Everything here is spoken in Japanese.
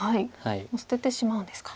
もう捨ててしまうんですか。